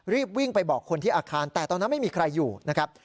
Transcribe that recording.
รีบวิ่งไปบอกคนที่อาคารแต่ตอนนั้นไม่มีใครอยู่นะครับ